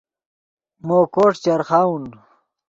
مو کوݰ چرخاؤن